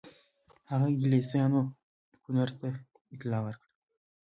هغه انګلیسیانو ګورنر ته اطلاع ورکړه.